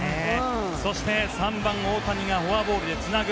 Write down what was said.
そして、３番、大谷がフォアボールでつなぐ。